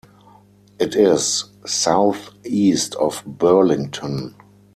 It is southeast of Burlington.